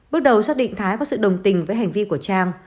bước đầu xác định thái có sự đồng tình với hành vi của trang